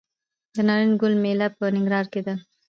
د نارنج ګل میله په ننګرهار کې ده.